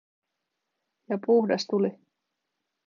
Ja puhdas tuli.